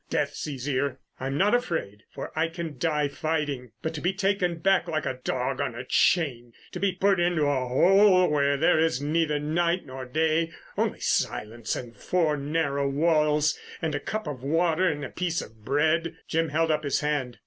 Death's easier. I'm not afraid—for I can die fighting ... but to be taken back like a dog on a chain, to be put into a hole where there is neither night nor day, only silence and four narrow walls, and a cup of water and a piece of bread——" Jim held up his hand.